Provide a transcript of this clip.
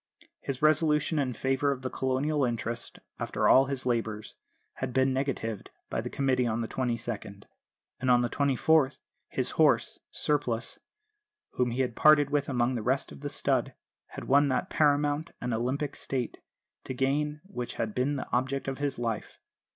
His resolution in favour of the Colonial interest, after all his labours, had been negatived by the Committee on the 22nd; and on the 24th, his horse, Surplice, whom he had parted with among the rest of the stud, had won that paramount and Olympic stake, to gain which had been the object of his life.